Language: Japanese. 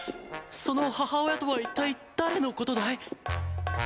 その母親とは一体誰のことだい？